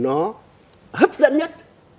nó hấp dẫn nhất